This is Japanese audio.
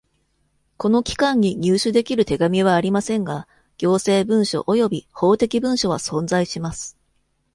この期間に入手できる手紙はありませんが、行政文書および法的文書は存在します。